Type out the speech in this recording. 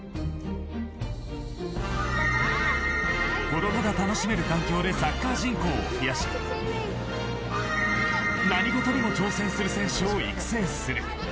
子供が楽しめる環境でサッカー人口を増やし何事にも挑戦する選手を育成する。